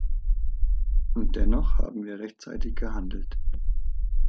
Und dennoch haben wir rechtzeitig gehandelt!